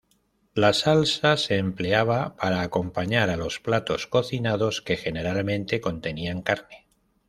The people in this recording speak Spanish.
La salsa se empleaba para acompañar a los platos cocinados que generalmente contenían carne.